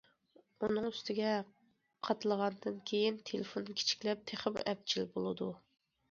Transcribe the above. ئۇنىڭ ئۈستىگە قاتلىغاندىن كېيىن تېلېفون كىچىكلەپ تېخىمۇ ئەپچىل بولىدۇ.